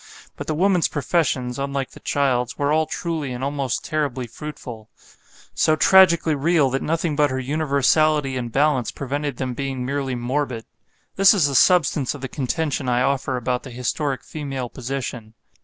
But the woman's professions, unlike the child's, were all truly and almost terribly fruitful; so tragically real that nothing but her universality and balance prevented them being merely morbid. This is the substance of the contention I offer about the historic female position.